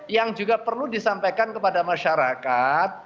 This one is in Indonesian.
yang juga perlu disampaikan kepada masyarakat